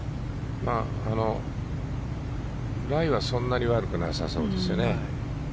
ライはそんなに悪くなさそうですよね。